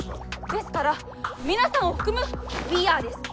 ですから皆さんを含む「ウィーアー」です。